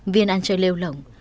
viên ăn chơi lêu lỏng